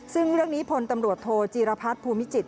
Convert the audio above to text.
ซึ่งเรื่องนี้พลตำรวจโทจีรพัฒน์ภูมิจิต